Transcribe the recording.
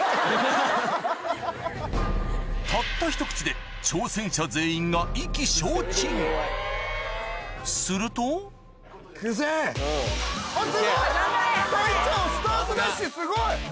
たったひと口で挑戦者全員がするとすごい！